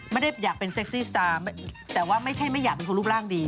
ไม่ได้อยากเป็นเซ็กซี่สตาร์แต่ว่าไม่ใช่ไม่อยากเป็นคนรูปร่างดี